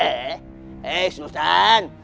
eh eh sultan